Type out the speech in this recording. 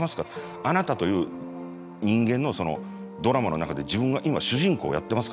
あなたという人間のドラマの中で自分が今主人公をやってますか？